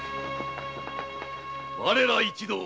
我ら一同